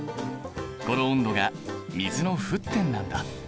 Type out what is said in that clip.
この温度が水の沸点なんだ。